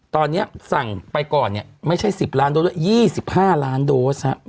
ตอนนี้สั่งไปก่อนเนี่ยไม่ใช่๑๐ล้านโดสด้วย๒๕ล้านโดส